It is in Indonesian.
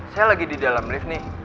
saya lagi di dalam lift nih